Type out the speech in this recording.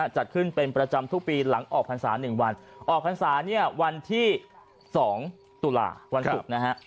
จัดขึ้นเป็นประจำทุกปีหลังออกพรรษา๑วันออกพรรษาเนี่ยวันที่๒ตุลาวันศุกร์นะฮะ